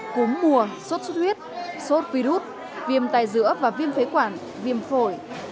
cúm mùa sốt suốt huyết sốt virus viêm tài dữa và viêm phế quản viêm phổi